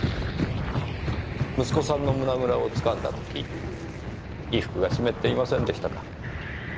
息子さんの胸倉を掴んだ時衣服が湿っていませんでしたか？